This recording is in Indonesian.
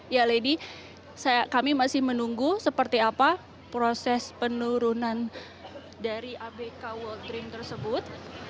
ya lady kami masih menunggu seperti apa proses penurunan dari abk world dream tersebut